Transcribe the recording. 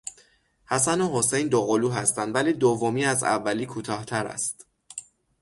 حسن و حسین دوقلو هستند ولی دومی از اولی کوتاهتر است.